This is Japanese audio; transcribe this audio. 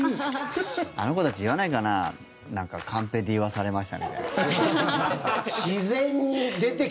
あの子たち言わないかなカンペで言わされましたって。